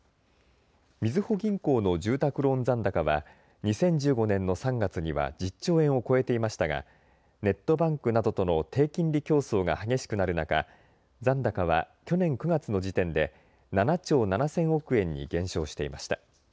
みずほ銀行の住宅ローン残高は２０１５年の３月には１０兆円を超えていましたがネットバンクなどとの低金利競争が激しくなる中、残高は去年９月の時点で７兆７０００億円に減少していました。